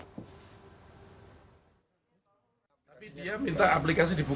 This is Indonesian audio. polda jatim mengatakan bahwa mereka hanya membuka aplikasi memiles